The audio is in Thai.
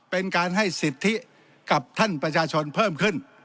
เป็นการให้สิทธิกับท่านประชาชนเพิ่มขึ้น